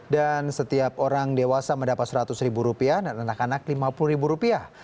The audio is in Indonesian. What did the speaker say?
dan setiap orang dewasa mendapat seratus ribu rupiah dan anak anak lima puluh ribu rupiah